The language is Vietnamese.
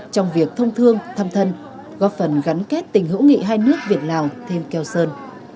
trong việc thông thương thăm thân góp phần gắn kết tình hữu nghị hai nước việt lào thêm keo sơn